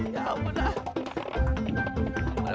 ya ampun lah